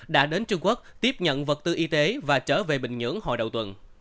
đã đến trung quốc tiếp nhận vật tư y tế và trở về bình nhưỡng hồi đầu tuần